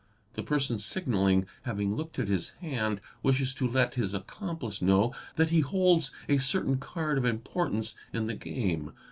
The person signalling, having looked at his hand, wishes to let his accomplice know that he holds a certain card of importance in the game.